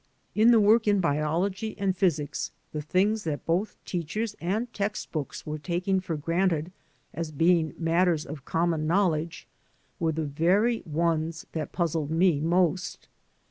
In the work in biology and physics the things that both teachers and text books were taking for granted as being matters of common knowledge were the very ones that puzzled me most.